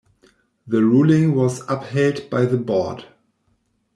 The ruling was upheld by the Board.